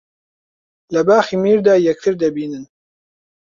لە باخی میردا یەکتر دەبینن